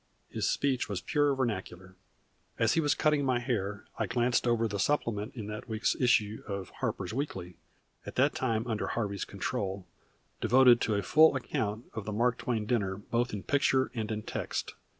His speech was pure vernacular. As he was cutting my hair I glanced over the supplement to that week's issue of "Harper's Weekly," at that time under Harvey's control, devoted to a full account of the Mark Twain dinner both in picture and in text.